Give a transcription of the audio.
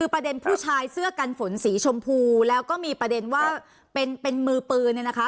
ประเด็นผู้ชายเสื้อกันฝนสีชมพูแล้วก็มีประเด็นว่าเป็นมือปืนเนี่ยนะคะ